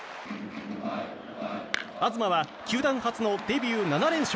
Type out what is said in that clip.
東は球団初のデビュー７連勝。